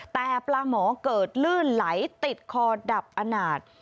แต่ปลาหมอเกิดลื่นไหลติดคอดับอนาจ